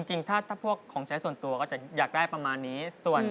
จริงถ้าพวกของใช้ส่วนตัวก็จะอยากได้ประมาณนี้